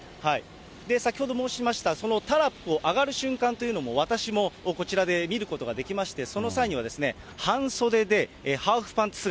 先ほど申しました、そのタラップを上がる瞬間というのも、私もこちらで見ることができまして、その際には半袖でハーフパンツ姿。